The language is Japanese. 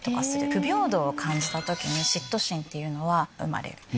不平等を感じた時に嫉妬心というのは生まれる。